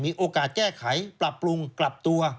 โอกาสแก้ไขปรับปรุงปรับตัว